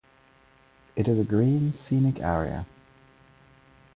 It is a green, scenic area.